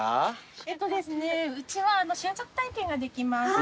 えっとですねうちは収穫体験ができます。